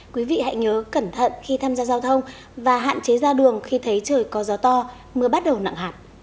quý vị hãy nhớ cẩn thận khi tham gia giao thông và hạn chế ra đường khi thấy trời có gió to mưa bắt đầu nặng hạt